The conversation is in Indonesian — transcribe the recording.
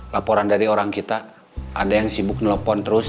laporan dari orang kita ada yang sibuk nelpon terus